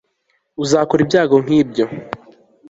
uzarokoka ibyago nk'ibyo